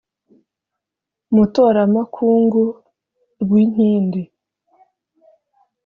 mutoramakungu, rwinkindi